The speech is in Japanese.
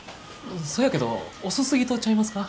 そやけど遅すぎとちゃいますか？